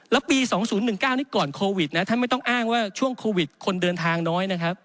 แล้วปี๒๐๑๙นี่ก่อนโควิดนะท่านไม่ต้องอ้างว่าช่วงโควิดคนเดินทางน้อยนะครับ